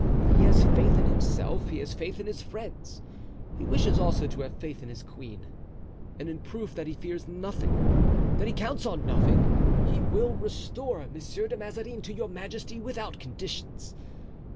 He has faith in himself; he has faith in his friends; he wishes also to have faith in his queen. And in proof that he fears nothing, that he counts on nothing, he will restore Monsieur de Mazarin to your majesty without conditions.